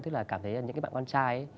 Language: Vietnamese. tức là cảm thấy là những cái bạn con trai ấy